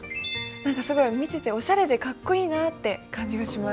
何かすごい見てておしゃれでかっこいいなって感じがします。